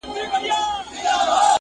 o دښمن څه وايي، چي ئې زړه وايي!